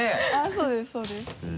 そうですそうです。